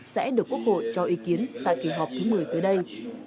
sẽ được quốc hội cho ý kiến tại kỳ họp thứ một mươi tới đây